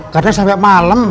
kadang sampai malam